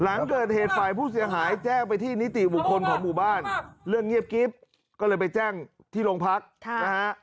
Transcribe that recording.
หลังเกิดเหตุฝ่ายผู้เสียหายแจ้งไปที่นิติบุคคลของหมู่บ้านเรื่องเงียบกิ๊บก็เลยไปแจ้งที่โรงพักนะฮะ